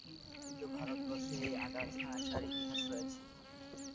কিন্তু ভারতবর্ষে এই আগাছা আসার ইতিহাস রয়েছে।